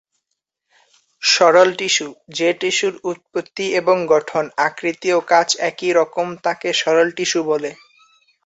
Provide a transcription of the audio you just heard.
সরল টিস্যু: যে টিস্যুর উৎপত্তি এবং গঠন, আকৃতি ও কাজ একই রকম, তাকে সরল টিস্যু বলে।